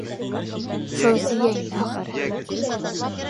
Фәүзиә ине, ахыры...